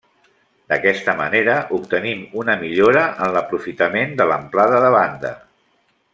D'aquesta manera obtenim una millora en l'aprofitament de l’amplada de banda.